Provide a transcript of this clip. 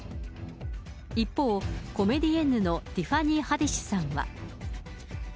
一方、コメディエンヌのティファニー・ハディッシュさんは。